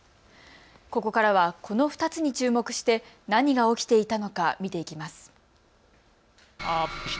ここからはこの２つに注目して何が起きていたのか見ていきます。